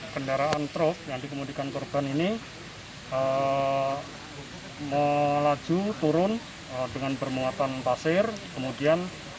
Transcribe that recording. kendaraan truk yang dikemudikan korban ini melaju turun dengan bermuatan pasir kemudian